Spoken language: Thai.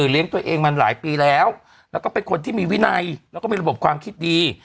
เลี้ยงตัวเองมาหลายปีแล้วแล้วก็เป็นคนที่มีวินัยแล้วก็มีระบบความคิดดี